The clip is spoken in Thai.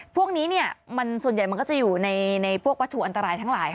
พวกนี้ส่วนใหญ่มันก็จะอยู่ในพวกวัตถุอันตรายทั้งหลาย